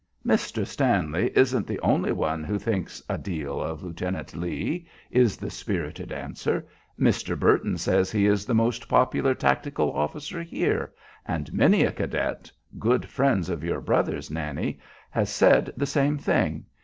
"Mr. Stanley isn't the only one who thinks a deal of Lieutenant Lee," is the spirited answer. "Mr. Burton says he is the most popular tactical officer here, and many a cadet good friends of your brother's, Nannie has said the same thing.